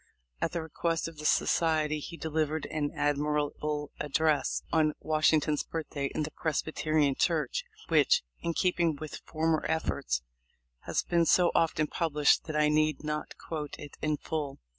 At the request of the society he delivered an admirable address, on Washington's birthday, in the Presbyterian Church, which, in keeping with former efforts, has been so often published that I need not quote it in full.